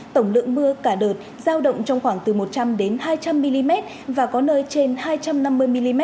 tổng lượng mưa cả đợt giao động trong khoảng từ một trăm linh hai trăm linh mm và có nơi trên hai trăm năm mươi mm